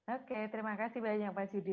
oke terima kasih banyak pak sidi